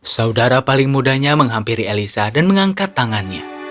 saudara paling mudanya menghampiri elisa dan mengangkat tangannya